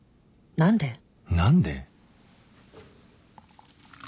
何で？